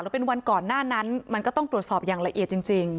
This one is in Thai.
เป็นวันก่อนหน้านั้นมันก็ต้องตรวจสอบอย่างละเอียดจริง